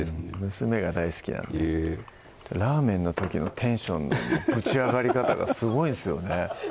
娘が大好きなんでへぇラーメンの時のテンションのぶち上がり方がすごいんすよね